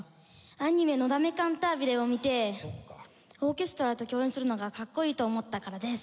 アニメ『のだめカンタービレ』を見てオーケストラと共演するのがかっこいいと思ったからです。